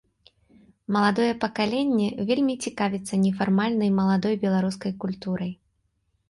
Маладое пакаленне вельмі цікавіцца нефармальнай маладой беларускай культурай.